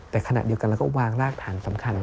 แต่ขณะเดียวกันเราก็วางรากฐานสำคัญ